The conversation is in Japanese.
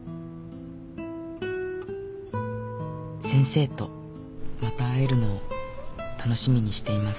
先生とまた会えるのを楽しみにしています。